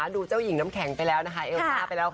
ดูเจ้าหญิงน้ำแข็งไปแล้วนะคะเอลซ่าไปแล้ว